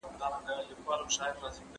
د هر پوهنتون اصول سره بېل دي.